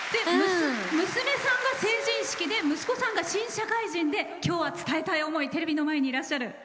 娘さんが成人式で息子さんが新社会人で今日は伝えたい思いテレビの前にいらっしゃる。